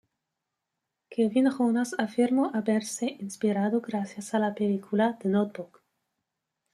Kevin Jonas afirmó haberse inspirado gracias a la película The Notebook.